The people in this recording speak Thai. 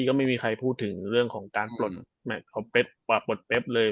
ก็ไม่มีใครพูดถึงเรื่องของการปลดเป๊บเลย